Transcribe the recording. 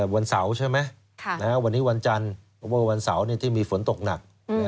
วันเสาร์ใช่ไหมวันนี้วันจันทร์วันเสาร์ที่มีฝนตกหนัก